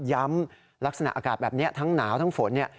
ลักษณะอากาศแบบนี้ทั้งหนาวทั้งฝนเนี่ย